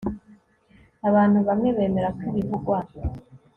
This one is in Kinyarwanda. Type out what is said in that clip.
abantu bamwe bemera ko ibivugwa